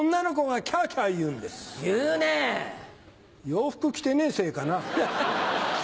洋服着てねえせいかな。